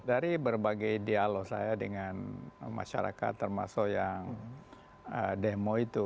dari berbagai dialog saya dengan masyarakat termasuk yang demo itu